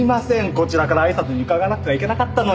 こちらから挨拶に伺わなくてはいけなかったのに。